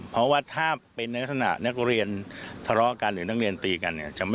เพราะว่าถ้าเป็นในลักษณะนักเรียนทะเลาะกันหรือนักเรียนตีกันเนี่ย